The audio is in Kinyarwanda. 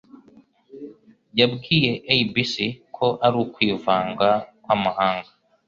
yabwiye ABC ko ar'ukwivanga kw'amahanga